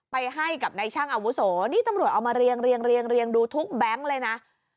ไปให้กับในช่างอาวุโสนี่ตำรวจเอามาเรียงดูทุกแบงค์เลยนะ